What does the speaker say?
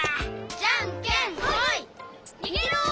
じゃんけんほい！にげろ！